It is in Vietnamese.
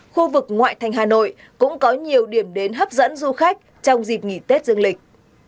khu vực ngoại thành hà nội cũng có nhiều điểm đến hấp dẫn du khách trong dịp nghỉ tết dương lịch